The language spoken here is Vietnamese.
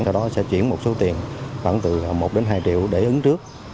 sau đó sẽ chuyển một số tiền khoảng từ một đến hai triệu để ứng trước